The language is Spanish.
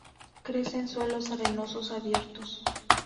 Crece en suelos arenosos abiertos.